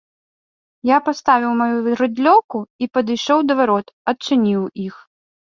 Я паставіў маю рыдлёўку і падышоў да варот, адчыніў іх.